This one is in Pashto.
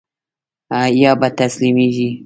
يا به تسليمېږي.